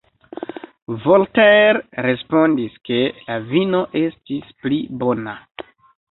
Voltaire respondis, ke la vino estis pli bona.